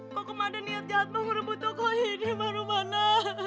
kokom ada niat jahat mbak merebut tokoh ini mbak rubana